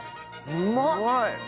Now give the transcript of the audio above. うまい！